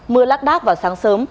mưa lắc đắc vào sáng sớm